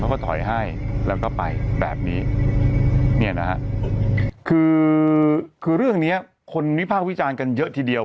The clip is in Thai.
เขาก็ถอยให้แล้วก็ไปแบบนี้เนี่ยนะฮะคือคือเรื่องเนี้ยคนวิพากษ์วิจารณ์กันเยอะทีเดียว